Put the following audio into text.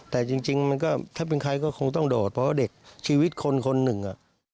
แต่จริงมันก็ถ้าเป็นใครก็คงต้องโดดเพราะว่าเด็กชีวิตคนคนหนึ่งอ่ะ